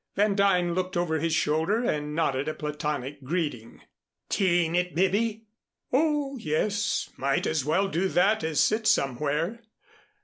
Van Duyn looked over his shoulder and nodded a platonic greeting. "Tea ing it, Bibby?" "Oh, yes. Might as well do that as sit somewhere.